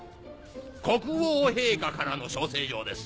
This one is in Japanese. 国王陛下からの招請状です。